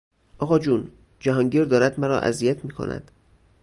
آقاجون، جهانگیر دارد مرا اذیت میکند!